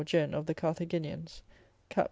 gen. of the Carthaginians, cap. 6.